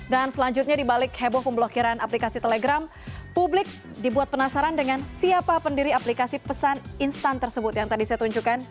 dan selanjutnya di balik heboh pemblokiran aplikasi telegram publik dibuat penasaran dengan siapa pendiri aplikasi pesan instan tersebut yang tadi saya tunjukkan